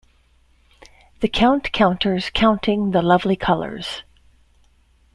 The Count counters, counting the "lovely colors".